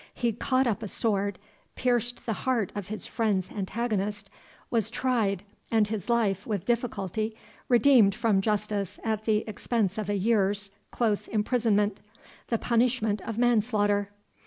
He caught up a sword, pierced the heart of his friend's antagonist, was tried, and his life, with difficulty, redeemed from justice at the expense of a year's close imprisonment, the punishment of manslaughter.